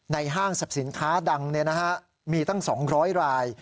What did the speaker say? ในห้างศัพท์สินค้าดังมีตั้ง๒๐๐ราย